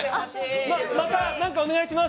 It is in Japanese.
また何かお願いします。